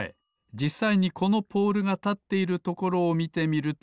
じっさいにこのポールがたっているところをみてみると。